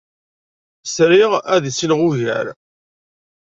Sriɣ ad issineɣ ugar.